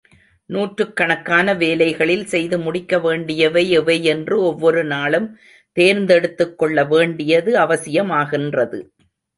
நூற்றுக் கணக்கான வேலைகளில் செய்து முடிக்க வேண்டியவை எவை என்று ஒவ்வொரு நாளும் தேர்ந்தெடுத்துக் கொள்ளவேண்டியது அவசியமாகின்றது.